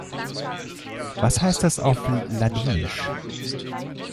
Was heißt das auf Ladinisch?